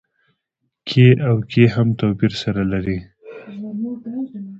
کې او کي هم توپير سره لري.